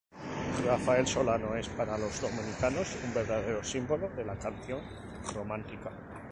Rafael Solano es para los dominicanos un verdadero símbolo de la canción romántica.